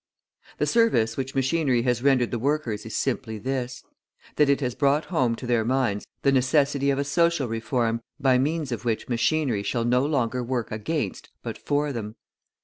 The service which machinery has rendered the workers is simply this: that it has brought home to their minds the necessity of a social reform by means of which machinery shall no longer work against but for them.